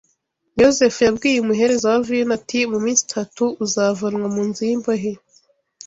Yozefu yabwiye umuhereza wa vino ati mu minsi itatu uzavanwa mu nzu y’imbohe